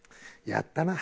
やったな。